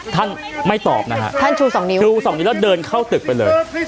ท่านไม่ตอบนะฮะท่านชูสองนิ้วชูสองนิ้วแล้วเดินเข้าตึกไปเลย